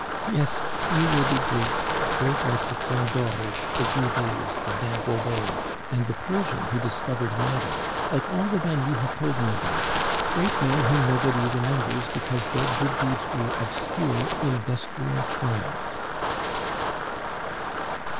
Yes, you will be great, great like the Graindorges, the Rouvets, and Van Robais, and the Persian who discovered madder, like all the men you have told me about; great men whom nobody remembers, because their good deeds were obscure industrial triumphs."